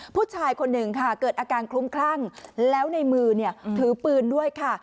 ผู้ชายคนหนึ่งค่ะเกิดอาการคลุ้มคลั่งแล้วในมือเนี่ยถือปืนด้วยค่ะ